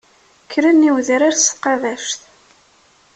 Kkren i wedrar s tqabact.